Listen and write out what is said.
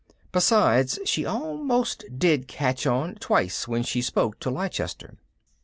Besides, she almost did catch on, twice when she spoke to Leicester."